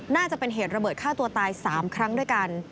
น่าจะเป็นเหตุระเบิดฆ่าตัวตาย๓ครั้งด้วยกัน